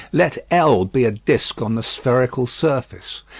Let L be a disc on the spherical surface.